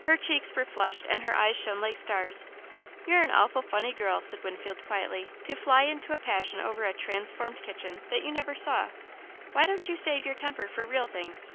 Her cheeks were flushed and her eyes shone like stars. "You're an awfully funny girl," said Winfield, quietly, "to fly into a passion over a 'transformed kitchen' that you never saw. Why don't you save your temper for real things?"